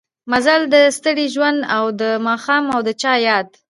مزل د ستړي ژوند او دا ماښام او د چا ياد